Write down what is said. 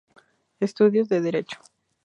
Estudios de Derecho.